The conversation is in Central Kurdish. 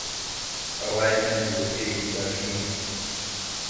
بە ڕای من بیرۆکەیەکی باش نییە.